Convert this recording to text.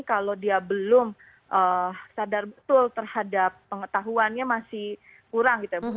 kalau dia belum sadar betul terhadap pengetahuannya masih kurang gitu ya